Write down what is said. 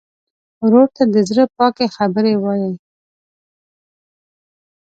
ورور ته د زړه پاکې خبرې وایې.